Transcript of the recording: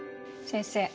先生